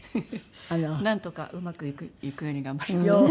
なんとかうまくいくように頑張ります。